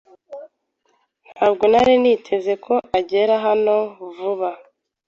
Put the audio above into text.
Ntabwo nari niteze ko agera hano vuba.